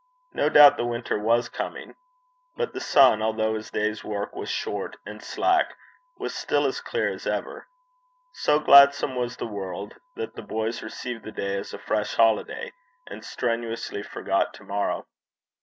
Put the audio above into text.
No doubt the winter was coming, but the sun, although his day's work was short and slack, was still as clear as ever. So gladsome was the world, that the boys received the day as a fresh holiday, and strenuously forgot to morrow.